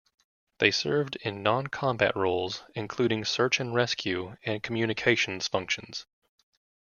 They served in non-combat roles, including search and rescue and communications functions.